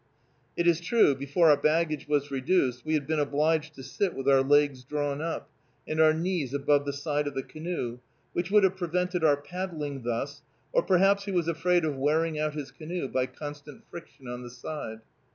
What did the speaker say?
It is true, before our baggage was reduced we had been obliged to sit with our legs drawn up, and our knees above the side of the canoe, which would have prevented our paddling thus, or perhaps he was afraid of wearing out his canoe, by constant friction on the side.